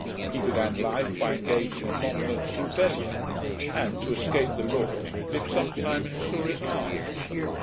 He began life by engaging in Monmouth's rebellion, and, to escape the law, lived some time in Surinam.